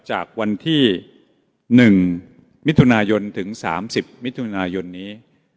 จากวันที่หนึ่งมิถุนายนถึงสามสิบมิถุนายนนี้